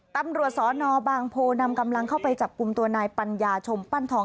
ตำรวจสนบางโพนำกำลังเข้าไปจับกลุ่มตัวนายปัญญาชมปั้นทอง